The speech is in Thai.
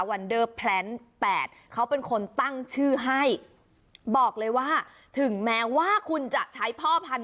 วันเดอร์แพลน๘เขาเป็นคนตั้งชื่อให้บอกเลยว่าถึงแม้ว่าคุณจะใช้พ่อพันธ